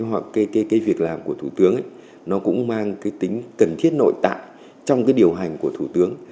hoặc cái việc làm của thủ tướng nó cũng mang cái tính cần thiết nội tại trong cái điều hành của thủ tướng